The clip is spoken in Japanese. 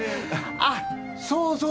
あっそうそう